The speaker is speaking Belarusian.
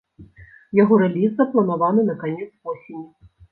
Яго рэліз запланаваны на канец восені.